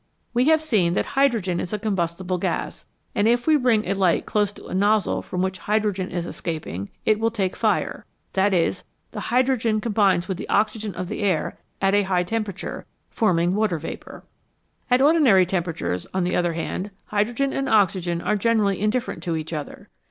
We have seen that hydrogen is a combustible gas, and if we bring a light close to a nozzle from which hydrogen is escaping, it will take fire ; that is, the hydrogen com bines with the oxygen of the air at a high temperature, forming water vapour. At ordinary temperatures, on the other hand, hydrogen and oxygen are generally in different to each other.